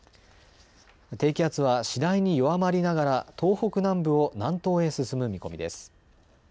低気圧は次第に弱まりながら東北南部を南東へ進む見込みです。